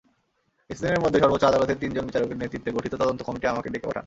কিছুদিনের মধ্যে সর্বোচ্চ আদালতের তিনজন বিচারকের নেতৃত্বে গঠিত তদন্ত কমিটি আমাকে ডেকে পাঠান।